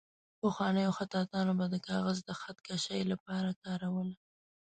پخوانیو خطاطانو به د کاغذ د خط کشۍ لپاره کاروله.